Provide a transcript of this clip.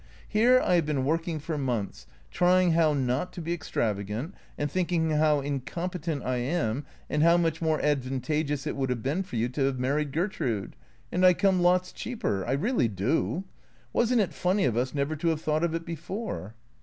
" Here I have been working for months, trying how not to be extravagant, and thinking how incompetent I am and how much more advantageous it would have been for you to have married Gertrude. And I come lots cheaper. I really do. Was n't it funny of us never to have thought of it before